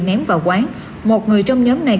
ném vào quán một người trong nhóm này